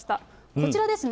こちらですね。